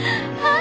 あ！